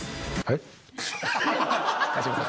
川島さん